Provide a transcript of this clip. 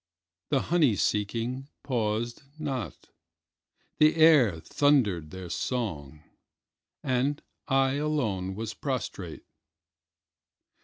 The honey seeking paused not, the air thundered their song, and I alone was prostrate.